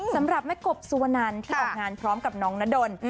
สำหรับแม่กบสุวนันที่ออกงานพร้อมกับน้องนดล